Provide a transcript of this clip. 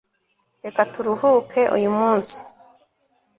reka turuhuke.uyumunsi